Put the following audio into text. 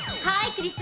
クリス。